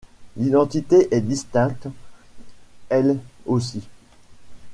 L'identité est distincte elle aussi.